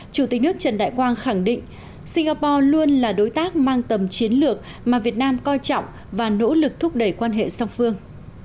chủ tịch nước trần đại quang khẳng định singapore luôn là đối tác mang tầm chiến lược mà việt nam coi trọng và nỗ lực thúc đẩy quan hệ song phương